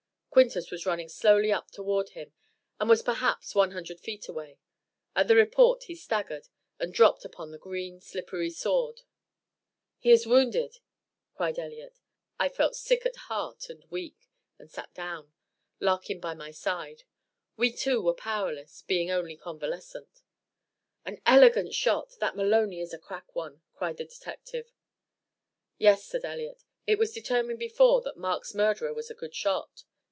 Quintus was running slowly up toward him and was perhaps one hundred feet away. At the report he staggered, and dropped upon the green, slippery sward. "He is wounded," cried Elliott. I felt sick at heart and weak, and sat down, Larkin by my side; we two were powerless, being only convalescent. "An elegant shot! That Maloney is a crack one," cried the detective. "Yes," said Elliott; "it was determined before that Mark's murderer was a good shot."